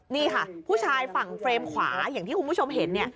นี่ค่ะผู้ชายฝั่งเฟรมขวาอย่างที่คุณผู้ชมเห็นเนี่ย